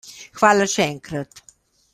Hvala še enkrat.